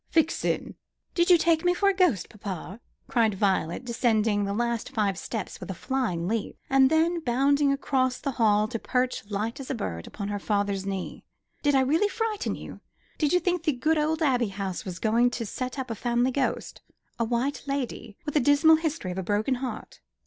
"Vixen!" "Did you take me for a ghost, papa?" cried Violet, descending the last five stairs with a flying leap, and then, bounding across the hall to perch, light as a bird, upon her father's knee. "Did I really frighten you? Did you think the good old Abbey House was going to set up a family ghost; a white lady, with a dismal history of a broken heart?